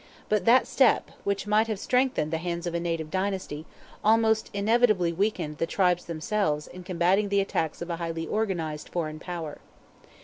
But that step, which might have strengthened the hands of a native dynasty, almost inevitably weakened the tribes themselves in combating the attacks of a highly organized foreign power.